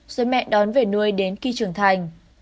rồi mẹ đón về nuôi đến khi trưởng thành